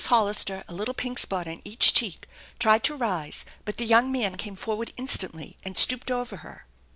Hollister, a little pink spot on each cheek, tried to rise, but the young man came forward instantly and stooped over her.